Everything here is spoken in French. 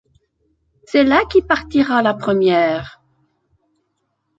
C’est la qui partira la première.